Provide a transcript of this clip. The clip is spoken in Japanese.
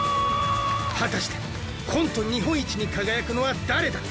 果たしてコント日本一に輝くのは誰だ？